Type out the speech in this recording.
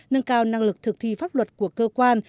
nâng cao năng lực thực thi pháp luật của cơ quan